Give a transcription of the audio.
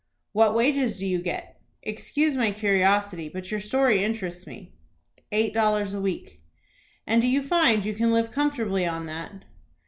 "What wages do you get? Excuse my curiosity, but your story interests me." "Eight dollars a week." "And do you find you can live comfortably on that?"